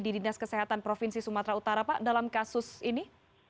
di dinas kesehatan provinsi sumatera utara pak dalam kasus ini